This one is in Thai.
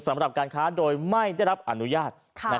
สำหรับการค้าโดยไม่ได้รับอนุญาต